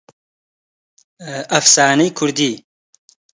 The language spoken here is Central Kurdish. ئەفسانەی کوردی